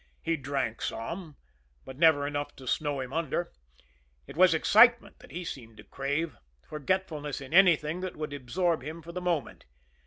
He drank some, but never enough to snow him under; it was excitement that he seemed to crave, forgetfulness in anything that would absorb him for the moment.